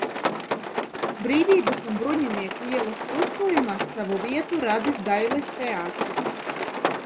Brīvības un Bruņinieku ielas krustojumā savu vietu radis Dailes teātris.